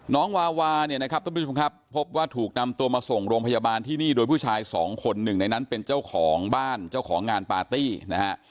วาวาเนี่ยนะครับท่านผู้ชมครับพบว่าถูกนำตัวมาส่งโรงพยาบาลที่นี่โดยผู้ชายสองคนหนึ่งในนั้นเป็นเจ้าของบ้านเจ้าของงานปาร์ตี้นะฮะ